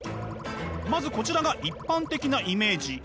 まずこちらが一般的なイメージ。